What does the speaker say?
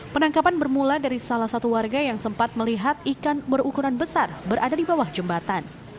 penangkapan bermula dari salah satu warga yang sempat melihat ikan berukuran besar berada di bawah jembatan